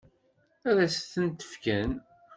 Ad s-tent-fken?